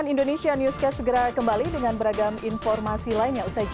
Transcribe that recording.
cnn indonesia newscast segera kembali dengan beragam informasi lain yang usai juga